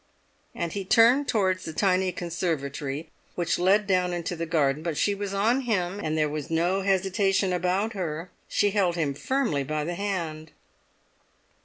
And he turned towards the tiny conservatory, which led down into the garden; but she was on him, and there was no hesitation about her; she held him firmly by the hand.